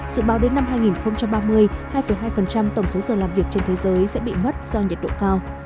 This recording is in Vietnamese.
dự báo đến năm hai nghìn ba mươi hai hai tổng số giờ làm việc trên thế giới sẽ bị mất do nhiệt độ cao